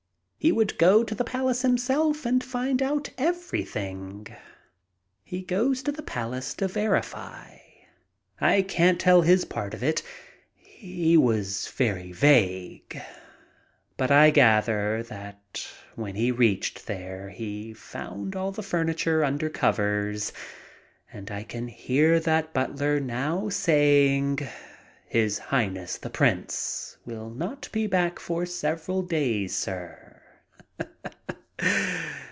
He would go to the palace himself and find out everything. He goes to the palace to verify. I can't tell his part of it^ — he was very vague — but I gathered that when he reached there he found all the fur niture under covers, and I can hear that butler now saying :'' His Highness the Prince will not be back for several days, sir.